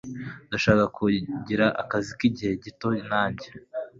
Ndashaka kugira akazi k'igihe gito, nanjye.